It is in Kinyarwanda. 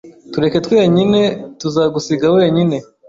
Tureke twenyine tuzagusiga wenyine